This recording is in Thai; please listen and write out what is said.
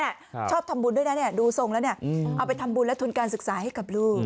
ชอบทำบุญด้วยนะเนี่ยดูทรงแล้วเนี่ยเอาไปทำบุญและทุนการศึกษาให้กับลูก